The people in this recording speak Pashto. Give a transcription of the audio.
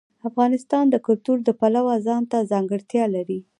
افغانستان د کلتور د پلوه ځانته ځانګړتیا لري.